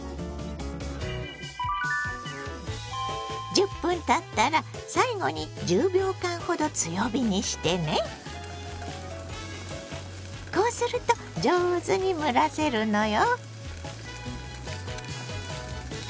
１０分たったらこうすると上手に蒸らせるのよ。